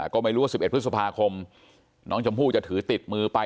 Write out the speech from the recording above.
ก็ไม่รู้ว่า๑๑พฤษภาคมน้องชมพู่จะถือติดมือไป